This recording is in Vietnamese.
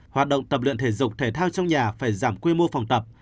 hoạt động tập luyện thể dục thể thao trong nhà phải giảm quy mô phòng tập